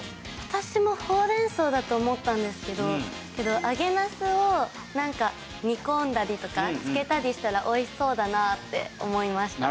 私もほうれん草だと思ったんですけど揚げなすを煮込んだりとか漬けたりしたら美味しそうだなって思いました。